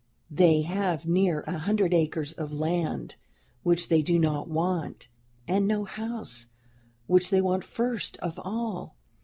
They have near a hundred acres of land which they do not want, and no house, which they want first of all.